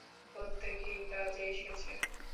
প্রত্যেকেই কাজে এসেছে।